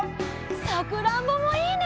さくらんぼもいいね！